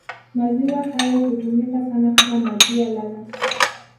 Maziwa hayo hutumika sana kama maziwa lala